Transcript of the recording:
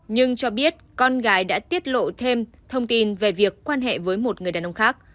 nhưng cho biết con gái đã tiết lộ thêm thông tin về việc quan hệ với một người đàn ông khác